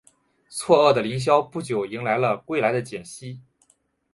错愕的林萧不久迎来了归来的简溪。